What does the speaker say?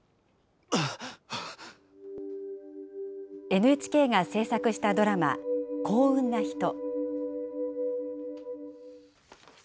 ＮＨＫが制作したドラマ、幸運なひと。